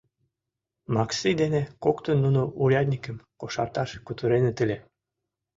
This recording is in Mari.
Макси дене коктын нуно урядникым «кошарташ» кутыреныт ыле.